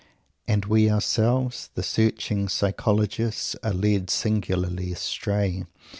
And people themselves! The searching psychologists are led singularly astray.